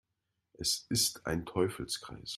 Es ist ein Teufelskreis.